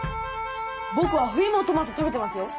ぼくは冬もトマト食べてますよ。